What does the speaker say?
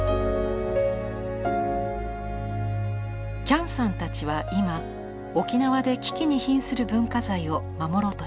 喜屋武さんたちは今沖縄で危機にひんする文化財を守ろうとしています。